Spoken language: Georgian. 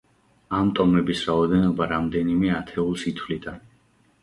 ამ ტომების რაოდენობა რამდენიმე ათეულს ითვლიდა.